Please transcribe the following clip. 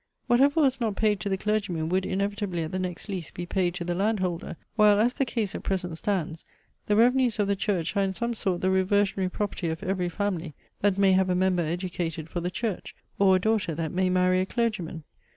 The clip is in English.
Whatever was not paid to the clergyman would inevitably at the next lease be paid to the landholder, while, as the case at present stands, the revenues of the Church are in some sort the reversionary property of every family, that may have a member educated for the Church, or a daughter that may marry a clergyman.